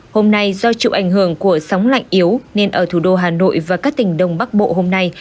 hôm nay do chịu ảnh hưởng của sóng lạnh yếu nên ở thủ đô hà nội và các tỉnh đông bắc bộ hôm nay